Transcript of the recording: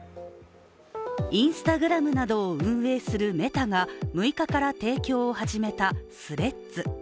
Ｉｎｓｔａｇｒａｍなどを運営するメタが６日から運用を始めたＴｈｒｅａｄｓ。